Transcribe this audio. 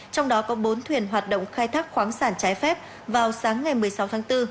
trong đó có bốn thuyền hoạt động khai thác khoáng sản trái phép vào sáng ngày một mươi sáu tháng bốn